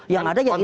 yang ada ya itu sih